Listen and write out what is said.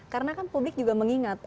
karena kan publik juga mengingat